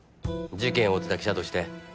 事件を追ってた記者として。